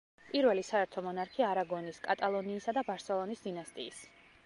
პირველი საერთო მონარქი არაგონის, კატალონიისა და ბარსელონის დინასტიის.